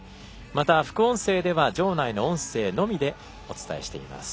また、副音声では場内の音声のみでお伝えしています。